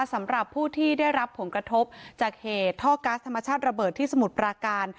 สำหรับผู้ที่ได้รับผลกระทบจากเหตุท่อก๊าซธรรมชาติระเบิดที่สมุทรปราการ